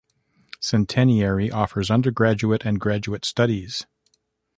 Centenary offers undergraduate and graduate studies.